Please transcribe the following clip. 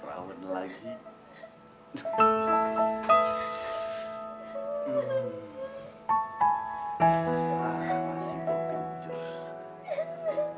ayo kita masuk ke dalam